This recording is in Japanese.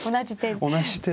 同じ手。